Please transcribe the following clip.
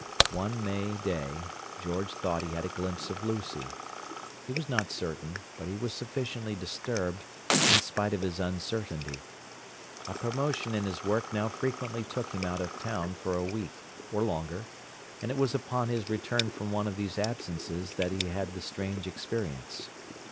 One May day George thought he had a glimpse of Lucy. He was not certain, but he was sufficiently disturbed, in spite of his uncertainty. A promotion in his work now frequently took him out of town for a week, or longer, and it was upon his return from one of these absences that he had the strange experience.